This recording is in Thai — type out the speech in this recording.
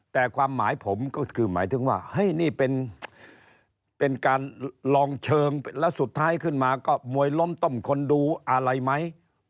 แต่ความหมายผมก็คือหมายถึงว่าเฮ้ยนี่เป็นการลองเชิงแล้วสุดท้ายขึ้นมาก็มวยล้มต้มคนดูอะไรไหม